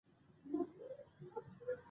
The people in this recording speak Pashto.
لوگر د افغانستان د پوهنې نصاب کې شامل دي.